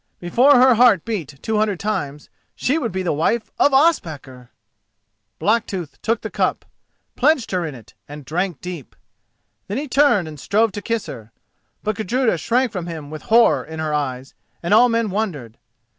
Before her heart beat two hundred times she would be the wife of Ospakar! Blacktooth took the cup—pledged her in it, and drank deep. Then he turned and strove to kiss her. But Gudruda shrank from him with horror in her eyes, and all men wondered.